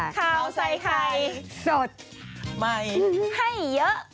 ข่าวใส่ไข่สดใหม่ให้เยอะ